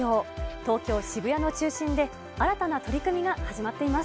東京・渋谷の中心で、新たな取り組みが始まっています。